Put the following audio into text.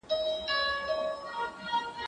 زه به سبزیجات جمع کړي وي؟